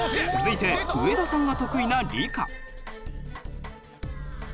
続いて植田さんが得意な理科。